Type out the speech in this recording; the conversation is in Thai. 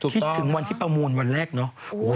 คิดถึงวันที่ประมูลวันแรกเนอะ